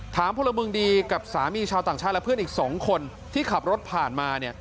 พลเมืองดีกับสามีชาวต่างชาติและเพื่อนอีก๒คนที่ขับรถผ่านมาเนี่ย